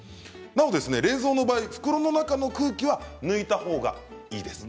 なお冷蔵の場合、袋の中の空気は抜いた方がいいです。